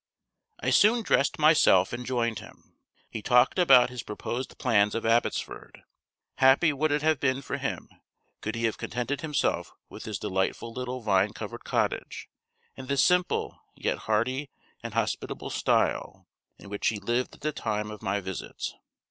I soon dressed myself and joined him. He talked about his proposed plans of Abbotsford; happy would it have been for him could he have contented himself with his delightful little vine covered cottage, and the simple, yet hearty and hospitable style, in which he lived at the time of my visit.